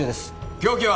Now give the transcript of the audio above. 凶器は？